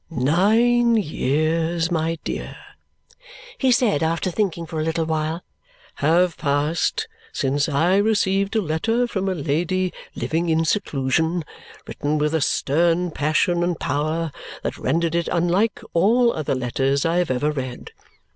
"Nine years, my dear," he said after thinking for a little while, "have passed since I received a letter from a lady living in seclusion, written with a stern passion and power that rendered it unlike all other letters I have ever read.